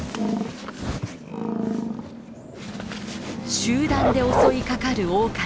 集団で襲いかかるオオカミ。